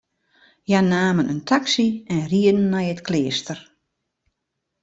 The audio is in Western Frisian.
Hja namen in taksy en rieden nei it kleaster.